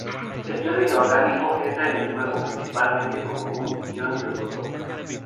El yodo inorgánico entra en el cuerpo principalmente como ion yoduro.